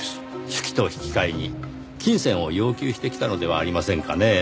手記と引き換えに金銭を要求してきたのではありませんかねぇ？